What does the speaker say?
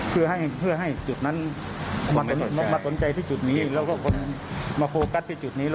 เพื่อให้จุดนั้นมาสนใจที่จุดนี้แล้วก็คนมาโฟกัสที่จุดนี้